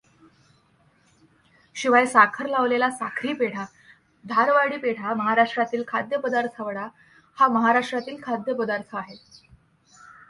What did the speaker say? शिवाय साखर लावलेला साखरी पेढा, धारवाडी पेढा महाराष्ट्रातील खाद्यपदार्थवडा हा महाराष्ट्रातील खाद्यपदार्थ आहे.